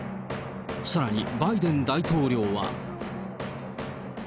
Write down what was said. さらにバイデン大統領は。